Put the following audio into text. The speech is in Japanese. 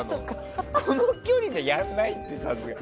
この距離でやんないってサーブ。